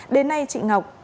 đến nay chị ngọc